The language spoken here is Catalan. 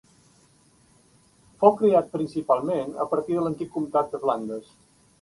Fou creat principalment a partir de l'antic comtat de Flandes.